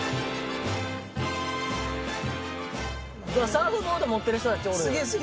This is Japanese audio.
サーフボード持ってる人たちおる。